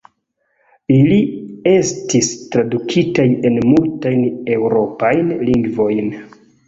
Ili estis tradukitaj en multajn eŭropajn lingvojn.